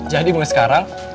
jadi mulai sekarang